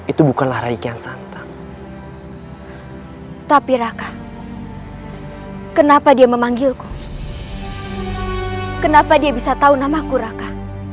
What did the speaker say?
itu bukanlah raik yang santa tapi raka kenapa dia memanggilku kenapa dia bisa tahu namaku raka